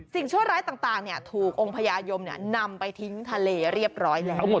ชั่วร้ายต่างถูกองค์พญายมนำไปทิ้งทะเลเรียบร้อยแล้ว